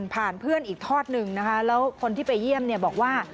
ผ่านเพื่อนอีกทอดหนึ่งแล้วคนที่ไปเยี่ยมบอกว่า